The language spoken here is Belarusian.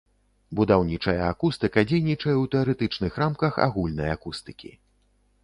Будаўнічая акустыка дзейнічае ў тэарэтычных рамках агульнай акустыкі.